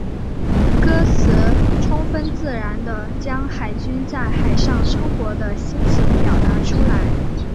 歌词充分自然地将海军在海上生活的心情表达出来。